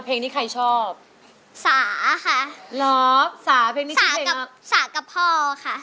เพลงนี้ใครชอบสาค่ะล้อสาเพลงนี้สากับสากับพ่อค่ะ